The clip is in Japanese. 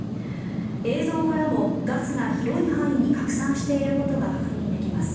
映像からもガスが広い範囲に拡散していることが確認できます。